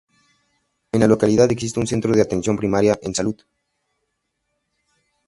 El la localidad existe un centro de atención primaria en salud.